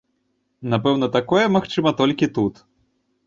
Напэўна, такое магчыма толькі тут.